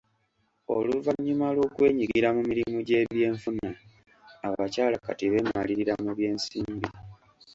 Oluvannyuma lw'okwenyigira mu mirimu gy'ebyenfuna, abakyala kati beemalirira mu byensimbi.